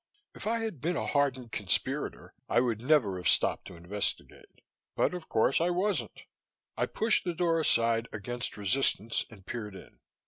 If I had been a hardened conspirator, I would never have stopped to investigate. But, of course, I wasn't. I pushed the door aside, against resistance, and peered in.